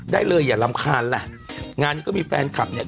ได้เลยอย่ารำคาญแหละงานนี้ก็มีแฟนคลับเนี่ย